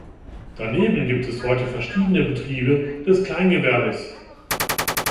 Daneben gibt es heute verschiedene Betriebe des Kleingewerbes.